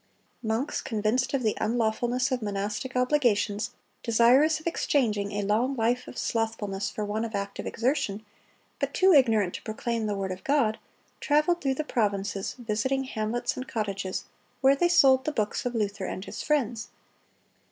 Monks, convinced of the unlawfulness of monastic obligations, desirous of exchanging a long life of slothfulness for one of active exertion, but too ignorant to proclaim the word of God, traveled through the provinces, visiting hamlets and cottages, where they sold the books of Luther and his friends.